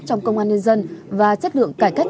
trong công an nhân dân và chất lượng cải cách